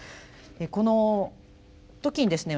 この時にですね